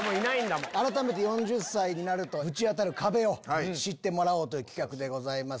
改めて４０歳になるとぶち当たる壁を知ってもらおうという企画でございます。